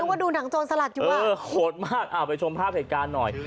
ว่าดูหนังโจรสลัดอยู่อ่ะเออโหดมากอ่าไปชมภาพเหตุการณ์หน่อย